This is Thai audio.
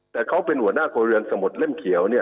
แต่เขาเป็นหัวหน้าโครงเรียนสมุทรเล่มเขียว